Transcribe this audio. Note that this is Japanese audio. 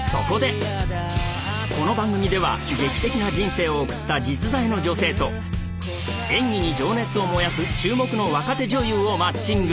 そこでこの番組では劇的な人生を送った実在の女性と演技に情熱を燃やす注目の若手女優をマッチング。